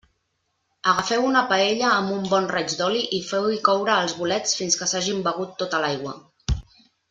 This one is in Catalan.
Agafeu una paella amb un bon raig d'oli i feu-hi coure els bolets fins que s'hagin begut tota l'aigua.